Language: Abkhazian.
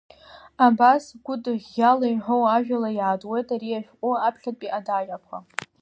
Абас, гәыҭыӷьӷьала иҳәоу ажәала иаатуеит ари ашәҟәы аԥхьатәи адаҟьақәа.